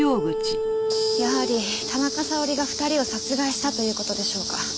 やはり田中沙織が２人を殺害したという事でしょうか？